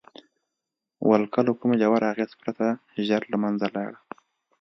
ولکه له کوم ژور اغېز پرته ژر له منځه لاړه.